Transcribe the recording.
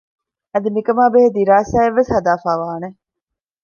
އަދި މިކަމާ ބެހޭ ދިރާސާއެއް ވެސް ހަދައިފައިވާނެ